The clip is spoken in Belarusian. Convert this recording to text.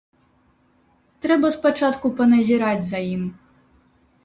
Трэба спачатку паназіраць за ім.